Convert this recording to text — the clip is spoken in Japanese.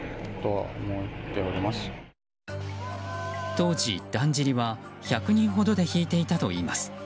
当時、だんじりは１００人ほどで引いていたといいます。